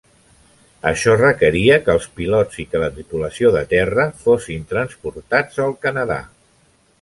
Això requeria que els pilots i que la tripulació de terra fossin transportats al Canadà.